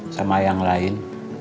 sama yang lain